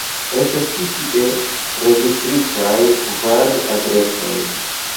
Estas ĉi tie registritaj kvar adresoj.